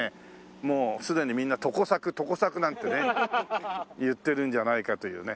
もうすでにみんな「トコサクトコサク」なんてね言ってるんじゃないかというね。